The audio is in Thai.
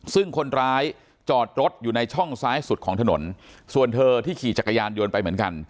ซึ่งคนร้ายจอดรถอยู่ในช่องซ้ายสุดของถนนส่วนเธอที่ขี่จักรยานยนต์ไปเหมือนกัน